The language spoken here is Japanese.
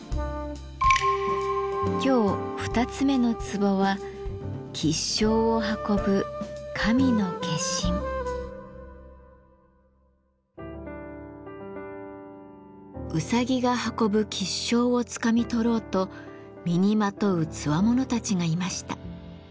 今日２つ目の壺はうさぎが運ぶ吉祥をつかみ取ろうと身にまとうつわものたちがいました。